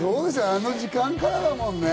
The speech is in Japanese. あの時間からだもんね。